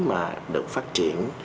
mà được phát triển